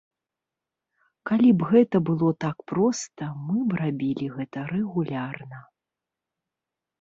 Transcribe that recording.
Калі б гэта было так проста, мы б рабілі гэта рэгулярна.